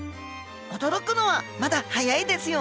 驚くのはまだ早いですよ。